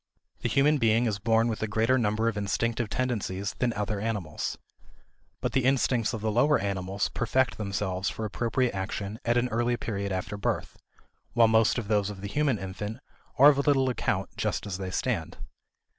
The human being is born with a greater number of instinctive tendencies than other animals. But the instincts of the lower animals perfect themselves for appropriate action at an early period after birth, while most of those of the human infant are of little account just as they stand.